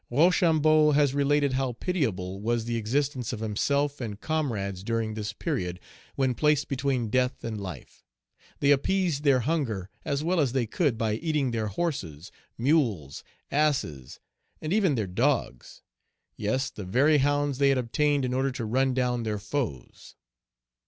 Rochambeau has related how pitiable was the existence of himself and comrades during this period, when placed between death and life; they appeased their hunger as well as they could by eating their horses, mules, asses, and even their dogs, yes, the very hounds they had obtained in order to run down their foes.